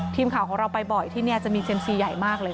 ทีมข่าวของเราไปบ่อยที่นี่จะมีเซ็มซีใหญ่มากเลย